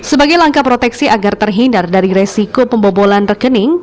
sebagai langkah proteksi agar terhindar dari resiko pembobolan rekening